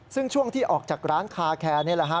ซึ่งช่วงที่ออกจากร้านคาแคร์นี่แหละฮะ